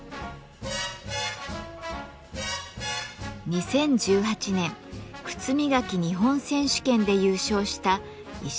２０１８年「靴磨き日本選手権」で優勝した石見さんのお店。